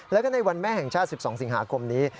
แล้วก็ในวันแม่แห่งชาติ๑๒สิงหาคมนี้